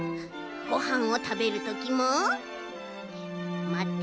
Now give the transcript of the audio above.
ごはんをたべるときもまて。